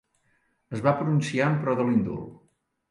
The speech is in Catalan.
Es va pronunciar en pro de l'indult.